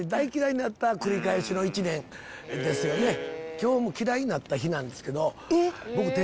今日も嫌いになった日なんですけど。